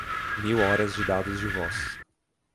mil horas de dados de voz